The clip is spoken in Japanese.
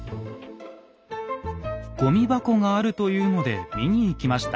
ごみ箱があるというので見に行きました。